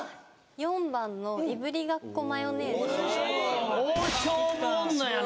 ４番のいぶりがっこマヨネーズ大勝負女やな